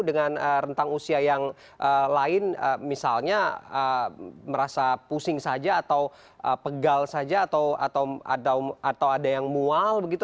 dengan rentang usia yang lain misalnya merasa pusing saja atau pegal saja atau ada yang mual begitu